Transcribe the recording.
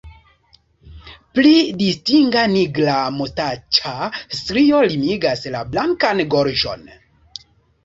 Pli distinga nigra mustaĉa strio limigas la blankan gorĝon.